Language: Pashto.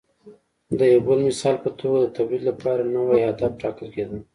د یو بل مثال په توګه د تولید لپاره نوی هدف ټاکل کېده